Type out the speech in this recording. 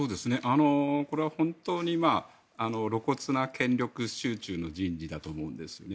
これは本当に露骨な権力集中の人事だと思うんです。